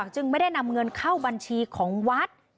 จึงไม่ได้นำเงินเข้าบัญชีของวัด